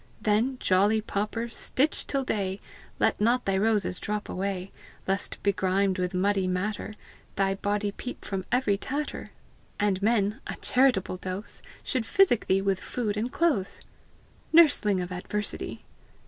Then, jolly pauper, stitch till day; Let not thy roses drop away, Lest, begrimed with muddy matter, Thy body peep from every tatter, And men a charitable dose Should physic thee with food and clothes! Nursling of adversity!